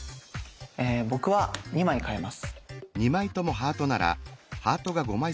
僕は２枚換えます。